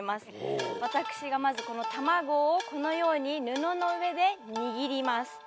私がまずこの卵をこのように布の上で握ります。